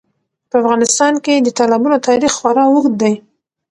په افغانستان کې د تالابونو تاریخ خورا اوږد دی.